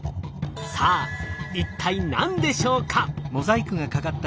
さあ一体何でしょうか？